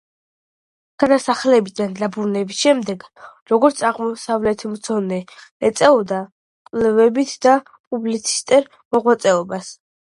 გადასახლებიდან დაბრუნების შემდეგ, როგორც აღმოსავლეთმცოდნე, ეწეოდა კვლევით და პუბლიცისტურ მოღვაწეობას.